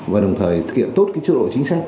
và đồng thời thực hiện tốt cái chế độ chính sách